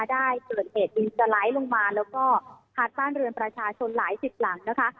ได้เกิดเหตุดินสไลด์ลงมาแล้วก็พัดบ้านเรือนประชาชนหลายสิบหลังนะคะ